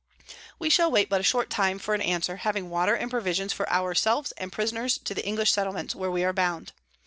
We shall wait but a short time for an Answer, having Water and Provisions for our selves and Prisoners to the English Settlements, where we are bound.